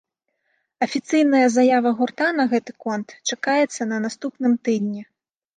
Афіцыйная заява гурта на гэты конт чакаецца на наступным тыдні.